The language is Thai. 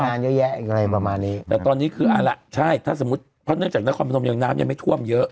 เยอะแยะอะไรประมาณนี้แต่ตอนนี้คือเอาล่ะใช่ถ้าสมมุติเพราะเนื่องจากนครพนมยังน้ำยังไม่ท่วมเยอะ